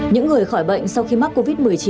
những người khỏi bệnh sau khi mắc covid một mươi chín